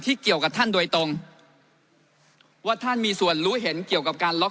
เกี่ยวกับท่านโดยตรงว่าท่านมีส่วนรู้เห็นเกี่ยวกับการล็อก